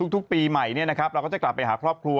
ทุกปีใหม่เนี่ยนะครับเราก็จะกลับไปหาครอบครัว